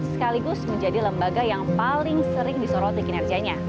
sekaligus menjadi lembaga yang paling sering disorot di kinerjanya